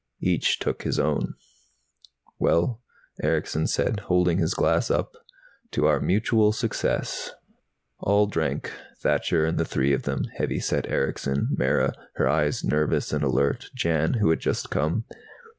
Each took his own. "Well," Erickson said, holding his glass up. "To our mutual success." All drank, Thacher and the three of them, heavy set Erickson, Mara, her eyes nervous and alert, Jan, who had just come.